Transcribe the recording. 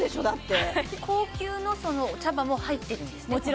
だって高級のその茶葉も入ってるんですね